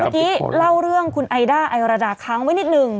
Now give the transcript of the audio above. เมื่อกี้เล่าเรื่องคุณไอด้าไอราดาค้างไว้นิดนึง